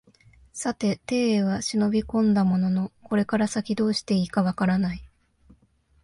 さて邸へは忍び込んだもののこれから先どうして善いか分からない